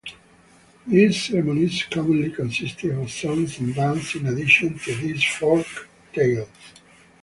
These ceremonies commonly consisted of songs and dances in addition to these folktales.